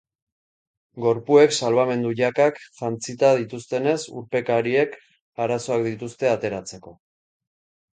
Gorpuek salbamendu-jakak jantzita dituztenez, urpekariek arazoak dituzte ateratzeko.